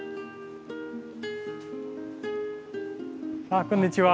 あっこんにちは。